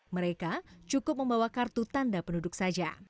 mereka cukup membawa kartu tanda penduduk saja